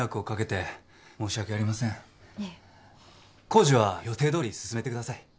工事は予定どおり進めてください。